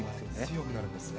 強くなるんですね。